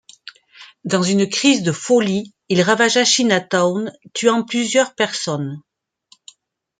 Dans une crise de folie, il ravagea Chinatown, tuant plusieurs personnes.